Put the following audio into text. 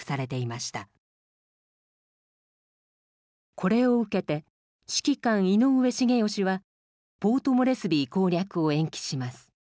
これを受けて指揮官井上成美はポートモレスビー攻略を延期します。